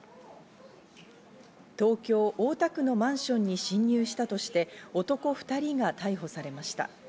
東京・大田区のマンションに侵入したとして男２人が逮捕されました。